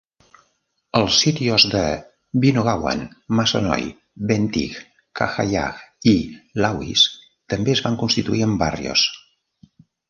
Els "sitios" de Binogawan, Masonoy, Bentig, Cahayag, i Lawis també es van constituir en "barrios".